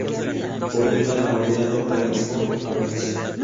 Poeta laureado de Oxford y Cambridge.